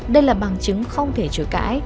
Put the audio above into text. đây là bằng chứng không thể chửi cãi